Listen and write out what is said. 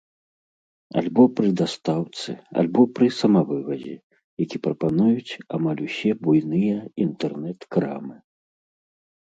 Альбо пры дастаўцы, альбо пры самавывазе, які прапануюць амаль усе буйныя інтэрнэт-крамы.